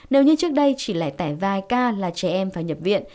nếu như trước đây chỉ lại tải vài ca là trẻ em phải nhập viện